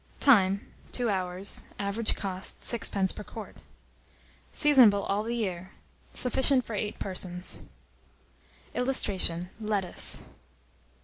Time. 2 hours. Average cost, 6d. per quart. Seasonable all the year. Sufficient for 8 persons. [Illustration: LETTUCE.